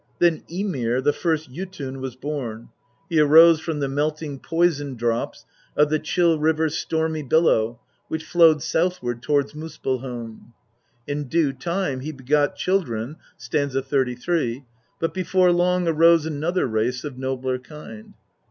Then Ymir, the first Jotun, was born. He arose from the melting poison drops of the chill river Stormy billow, which flowed southward towards Muspell home. In due time he begot children (st. 33), but before long arose another race of nobler kind.